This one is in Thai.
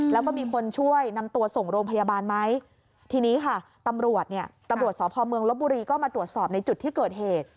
แล้วก็มีคนช่วยนำตัวส่งโรงพยาบาลไหมทีนี้ค่ะตำรวจเนี่ยตำรวจสพเมืองลบบุรีก็มาตรวจสอบในจุดที่เกิดเหตุ